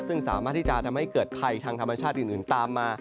ซึ่งสามารถที่จะทำให้เกิดภัยทางธรรมชาติอื่นตามมา